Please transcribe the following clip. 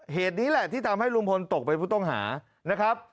เหตุนี้แหละที่ทำให้ลุงพลตกเป็นผู้ต้องหานะครับ